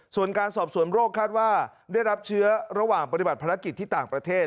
ส่วนการสอบสวนโรคคาดว่าได้รับเชื้อระหว่างปฏิบัติภารกิจที่ต่างประเทศ